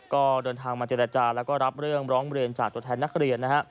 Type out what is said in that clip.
ก็เดินทางมาเจรจาแล้วก็รับเรื่องร้องเรียนจากตัวแทนนักเรียนนะฮะ